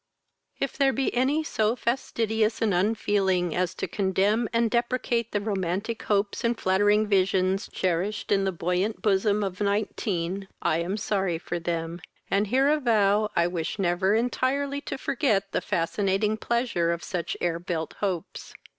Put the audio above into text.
IV. If there be any so fastidious and unfeeling as to condemn and deprecate the romantic hopes and flattering visions cherished in he buoyant bosom of nineteen, I am sorry for them, and here avow, I wish never entirely to forget the fascinating pleasure of such air built hopes.